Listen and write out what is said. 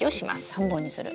３本にする。